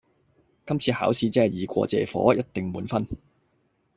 今次考試真係易過借火，一定滿分